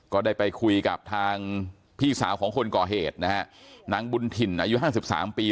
ก็ได้ไปคุยกับทางพี่สาวของคนก่อเหตุนางบุญถิ่นอายุ๕๓ปี